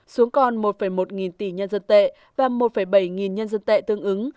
xuống còn một một nghìn tỷ nhân dân tệ và một bảy nghìn nhân dân tệ tương ứng